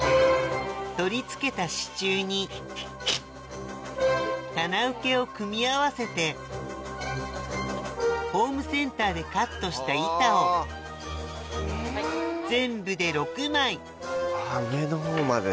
取り付けた支柱に棚受けを組み合わせてホームセンターでカットした板を全部で６枚イェイ！